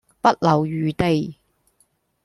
不留餘地